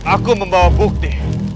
aku membawa bukti